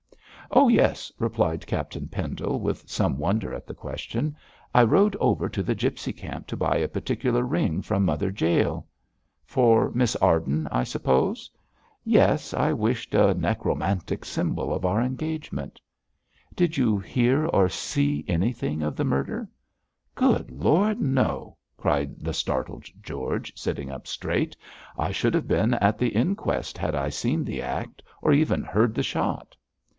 'Oh, yes,' replied Captain Pendle, with some wonder at the question. 'I rode over to the gipsy camp to buy a particular ring from Mother Jael.' 'For Miss Arden, I suppose?' 'Yes; I wished for a necromantic symbol of our engagement.' 'Did you hear or see anything of the murder?' 'Good Lord, no!' cried the startled George, sitting up straight. 'I should have been at the inquest had I seen the act, or even heard the shot.'